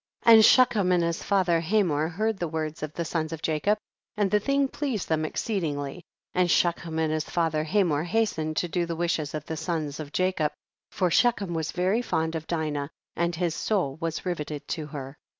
46. And Shechem and his father Hamor heard the words of the sons of Jacob, and the thing pleased them exceedingly, and Shechem and his father Hamor hastened to do the wishes of the sons of Jacob, for She chem was very fond of Dinah, and his soul was rivetted to her.